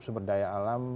sumber daya alam